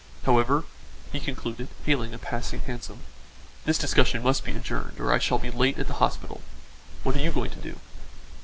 However," he concluded, hailing a passing hansom, "this discussion must be adjourned or I shall be late at the hospital. What are you going to do?"